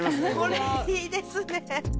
これいいですね。